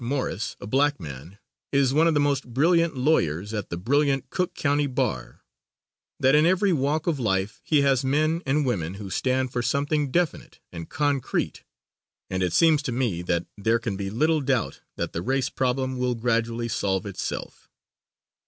Morris, a black man, is one of the most brilliant lawyers at the brilliant Cook County bar; that in every walk of life he has men and women who stand for something definite and concrete, and it seems to me that there can be little doubt that the race problem will gradually solve itself.